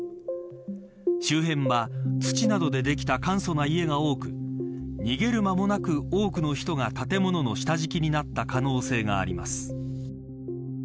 周辺は土などでできた簡素な家屋が多く逃げる間もなく多くの人が建物の下敷きになった可能性があります。